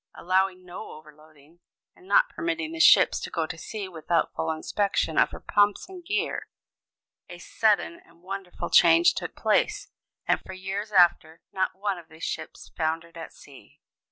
allowing no overloading, and not permitting the ships to go to sea without full inspection of her pumps and gear, a sudden and wonderful change took place, and for years after not one of these ships foundered at sea.